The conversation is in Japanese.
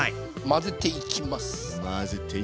混ぜていきます。